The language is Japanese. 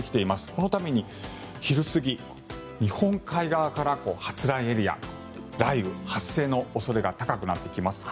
このために昼過ぎ、日本海側から発雷エリア、雷雨発生の恐れが高くなってきます。